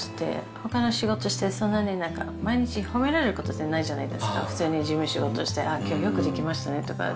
ほかの仕事して、そんなになんか、毎日褒められることってないじゃないですか、普通に事務仕事して、ああ、よくできましたねとか。